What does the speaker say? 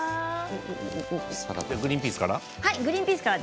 グリーンピースから。